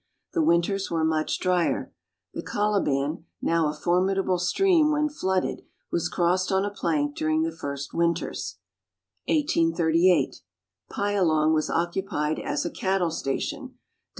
The winters were much drier. The Colibau, now a formidable stream when flooded, was crossed on a plank during the first winters. 1838. Pyalong was occupied as a cattle station.